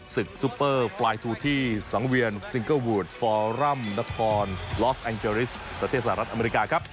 ซุปเปอร์ไฟล์ทูที่สังเวียนซิงเกิลวูดฟอรัมนครลอฟแองเจอริสประเทศสหรัฐอเมริกาครับ